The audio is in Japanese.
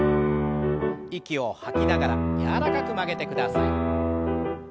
息を吐きながら柔らかく曲げてください。